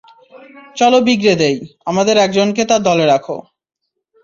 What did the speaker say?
চলো বিগড়ে দেই, আমাদের একজনকে তার দলে রাখো।